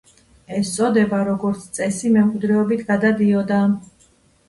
ეს წოდება როგორც წესი მემკვიდრეობით გადადიოდა.